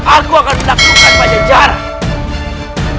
aku akan melakukan penyajaran